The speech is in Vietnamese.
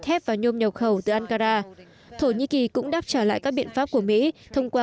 thép và nhôm nhập khẩu từ ankara thổ nhĩ kỳ cũng đáp trả lại các biện pháp của mỹ thông qua